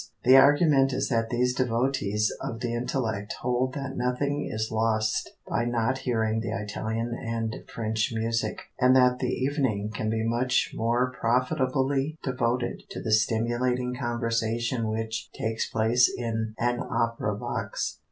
The argument is that these devotees of the intellect hold that nothing is lost by not hearing the Italian and French music, and that the evening can be much more profitably devoted to the stimulating conversation which takes place in an opera box.